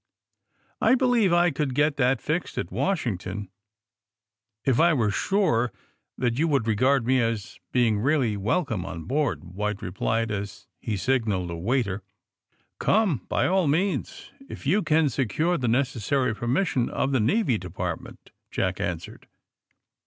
" *'I believe I could get that fixed at "Washing ton, if I were sure that you would regard me as being really welcome on board," White replied, as he signaled a waiter. ^*Come by all means, if you can secure the necessary permission of the Navy Department," Jack answered.